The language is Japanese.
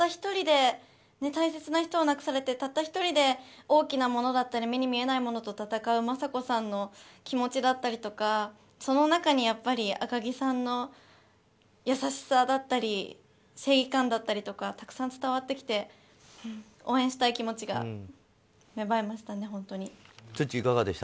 大切な人を亡くされてたった１人で大きなものだったり目に見えないものと闘う雅子さんの気持ちだったりとかその中に赤木さんの優しさだったり正義感だったりたくさん伝わってきて応援したい気持ちが芽生えました。